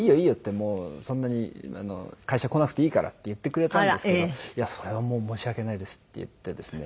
「もうそんなに会社来なくていいから」って言ってくれたんですけど「いやそれはもう申し訳ないです」って言ってですね